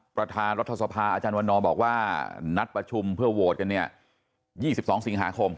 ประธานรัฐสภาอาจารย์วันนอบอกว่านัดประชุมเพื่อโหวตกันเนี่ย๒๒สิงหาคม